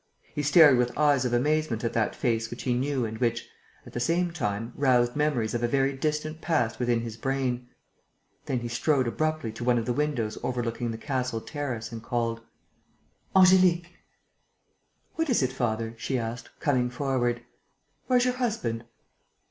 He stared with eyes of amazement at that face which he knew and which, at the same time, roused memories of a very distant past within his brain. Then he strode abruptly to one of the windows overlooking the castle terrace and called: "Angélique!" "What is it, father?" she asked, coming forward. "Where's your husband?"